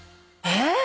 えっ？